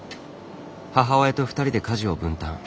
母親と２人で家事を分担。